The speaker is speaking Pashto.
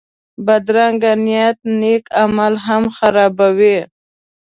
بدرنګه نیت نېک عمل هم خرابوي